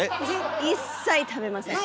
一切食べません。